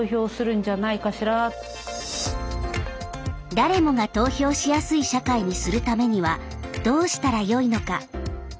誰もが投票しやすい社会にするためにはどうしたらよいのか。